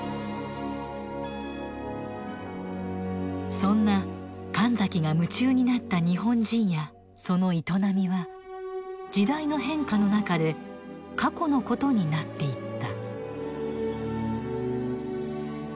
そんな神崎が夢中になった日本人やその営みは時代の変化の中で過去のことになっていった。